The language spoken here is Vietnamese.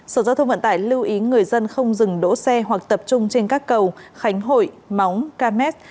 sở giao thông vận tải lưu ý người dân không dừng đổ xe hoặc tập trung trên các cầu khánh hội móng cà mét